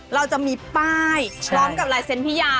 เราจะมีป้ายพร้อมกับลายเซ็นต์พี่ยา